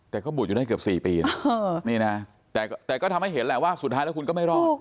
แต่ก็บวชอยู่ได้เกือบ๔ปีนะนี่นะแต่ก็ทำให้เห็นแหละว่าสุดท้ายแล้วคุณก็ไม่รอด